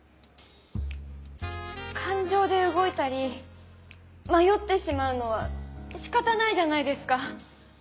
感情で動いたり迷ってしまうのは仕方ないじゃないですか。